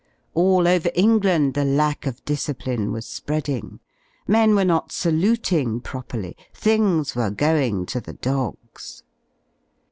All over England the lack of discipline was spreading; men ivere not saluting properly ; things were going to the dogs.